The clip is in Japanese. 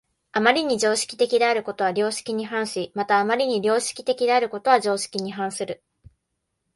余りに常識的であることは良識に反し、また余りに良識的であることは常識に反する。